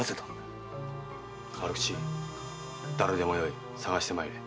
春吉誰でもよい捜してまいれ。